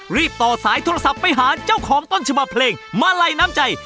ต่อสายโทรศัพท์ไปหาเจ้าของต้นฉบับเพลงมาลัยน้ำใจ